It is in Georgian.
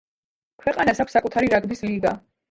ქვეყანას აქვს საკუთარი რაგბის ლიგა.